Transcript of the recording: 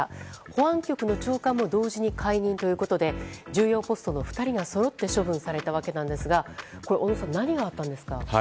保安官も同時に解任ということで重要ポストの２人がそろって処分されたわけですが小野さん、何があったんですか？